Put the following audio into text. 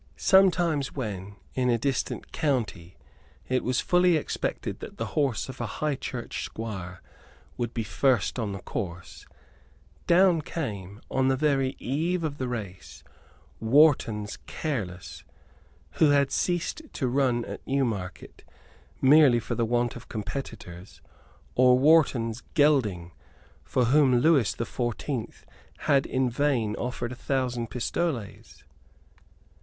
Sometimes when, in a distant county, it was fully expected that the horse of a High Church squire would be first on the course, down came, on the very eve of the race, Wharton's Careless, who had ceased to run at Newmarket merely for want of competitors, or Wharton's Gelding, for whom Lewis the Fourteenth had in vain offered a thousand pistoles.